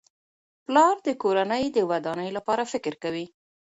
پلار د کورنۍ د ودانۍ لپاره فکر کوي.